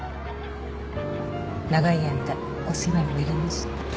長い間お世話になりました。